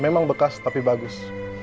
memang bekas tapi bagus